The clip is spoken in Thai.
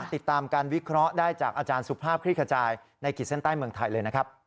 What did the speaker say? ติดตามการวิเคราะห์ได้จากอาจารย์สุภาพคลี่ขจายในขีดเส้นใต้เมืองไทยเลยนะครับ